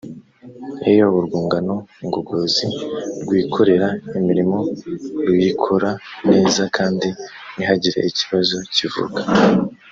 iyo urwungano ngogozi rwikorera imirimo ruyikora neza kandi ntihagire ikibazo kivuka